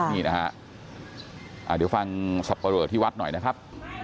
นี่นะฮะเดี๋ยวฟังศพประโยชน์ที่วัดหน่อยนะครับ